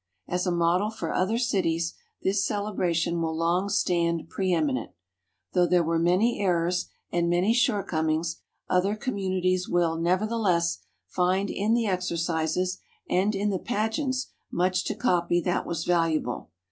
As a model for other cities this celebration will long stand preëminent. Though there were many errors and many shortcomings, other communities will, nevertheless, find in the exercises and in the pageants much to copy that was valuable.